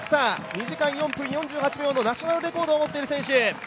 ２時間４分４４のナショナルレコードを持っている選手。